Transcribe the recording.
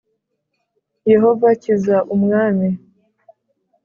Yehova kiza umwami